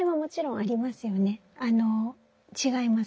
あの違います。